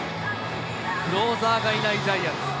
クローザーがいないジャイアンツ。